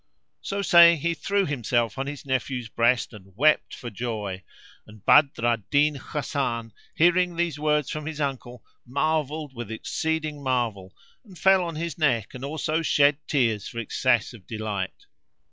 So saying, he threw himself on his nephew's breast and wept for joy; and Badr al Din Hasan, hearing these words from his uncle, marvelled with exceeding marvel and fell on his neck and also shed tears for excess of delight.